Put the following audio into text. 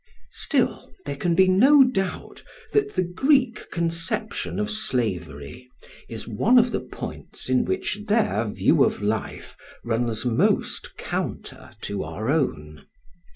Still, there can be no doubt that the Greek conception of slavery is one of the points in which their view of life runs most counter to our own.